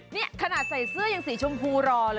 นี่ขนาดใส่เสื้อยังสีชมพูรอเลย